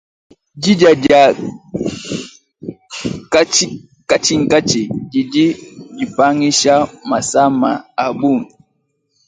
Didia dia nkatshinkatshi didi dipangisha masama a bungi.